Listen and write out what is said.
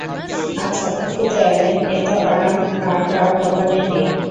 আচ্ছা, দুঃখিত, অ্যালেন, এতো আরাম আর কারো কপালেই নেই।